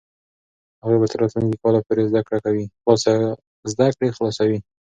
هغوی به تر راتلونکي کاله پورې زده کړې خلاصوي.